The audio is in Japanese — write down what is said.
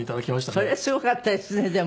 それはすごかったですねでも。